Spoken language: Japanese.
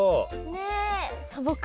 ねえ。